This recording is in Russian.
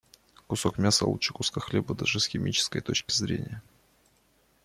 Кусок мяса лучше куска хлеба даже с химической точки зрения.